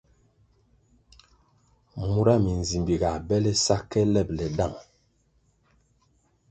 Mura minzimbi ga bele sa ke lebʼle dang.